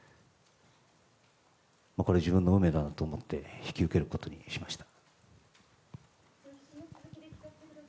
これが自分の運命なんだと思って引き受けることにしました。